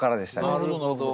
なるほど。